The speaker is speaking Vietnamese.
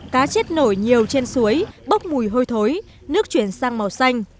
cá chết nổi nhiều trên suối bốc mùi hôi thối nước chuyển sang màu xanh